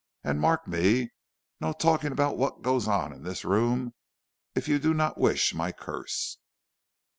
And mark me, no talking about what goes on in this room, if you do not wish my curse.'